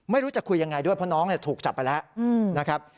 ไม่รู้จะคุยยังไงด้วยเพราะน้องถูกจับไปแล้วนะครับ